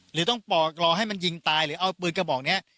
หรือต้องปอกรอให้มันยิงตายหรือเอาปืนกระบอกนี้